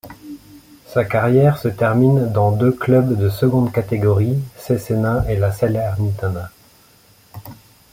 Sa carrière se termine dans deux clubs de seconde catégorie, Cesena et la Salernitana.